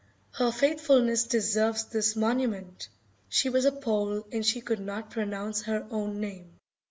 Her faithfulness deserves this monument. She was a Pole and she could not pronounce her own name.